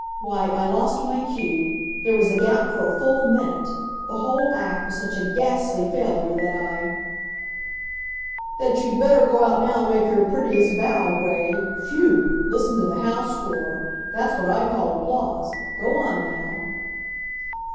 Why, I lost my cue. There was a gap for a full minute. The whole act was such a ghastly failure that I " "That you'd better go out now and make your prettiest bow, Gray. Phew! Listen to the house roar. That's what I call applause. Go on now."